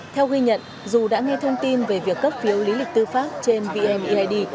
theo ghi nhận dù đã nghe thông tin về việc cấp phiếu lý lịch tư pháp trên vneid